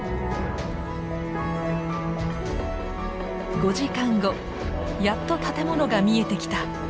５時間後やっと建物が見えてきた！